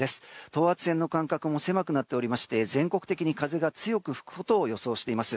等圧線の間隔も狭くなっておりまして全国的に風が強く吹くことを予想しています。